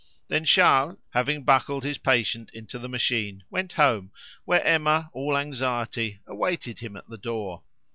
Then Charles, having buckled his patient into the machine, went home, where Emma, all anxiety, awaited him at the door.